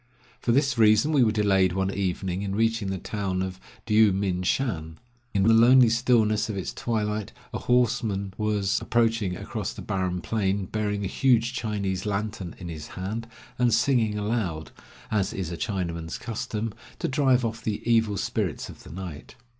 For this reason we were delayed one evening in reaching the town of Dyou min shan. In the lonely stillness of its twilight a horseman was approaching across the barren plain, bearing a huge Chinese lantern in his hand, and singing aloud, as is a Chinaman's custom, to drive off the evil spirits of the night.